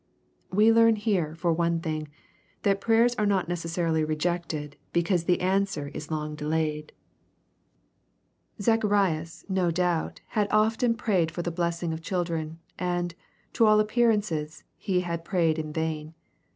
We learn here, for one thing, ih&i prayers are not necessarily rejected because the answer is long delayedL LUKE^ CHAP. I. 18 Zacharias, no doubt, had often prayed for the blessing of children, and, to all appearance, had prayed in vain.